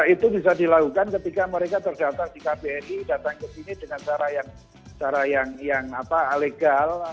itu bisa dilakukan ketika mereka terdata di kbri datang ke sini dengan cara yang legal